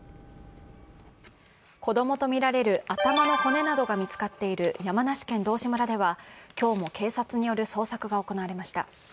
子供とみられる頭の骨などが見つかっている山梨県道志村では今日も、警察による捜索が行われました。